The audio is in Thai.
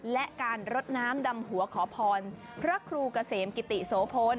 และการรดน้ำดำหัวขอพรพระครูเกษมกิติโสพล